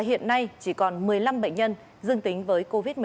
hiện nay chỉ còn một mươi năm bệnh nhân dương tính với covid một mươi chín